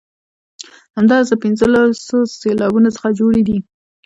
همداراز له پنځلسو سېلابونو څخه جوړې دي.